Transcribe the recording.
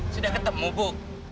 sudah ketemu bu